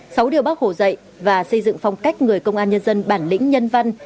sáu điều bác hồ dạy và xây dựng phong cách người công an nhân dân bản lĩnh nhân văn